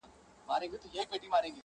نه مو باید کمال ته د رسېدو وهم ودروي